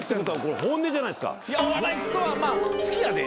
いやお笑いとはまあ好きやで。